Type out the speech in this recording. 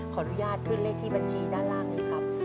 ขออนุญาตขึ้นเลขที่บัญชีด้านล่างเลยครับ